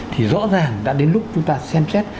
thì rõ ràng đã đến lúc chúng ta xem xét